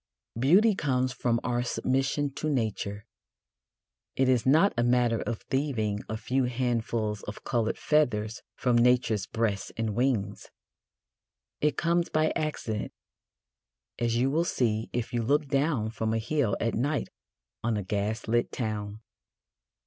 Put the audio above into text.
Beauty comes from our submission to Nature; it is not a matter of thieving a few handfuls of coloured feathers from Nature's breast and wings. It comes by accident, as you will see if you look down from a hill at night on a gas lit town.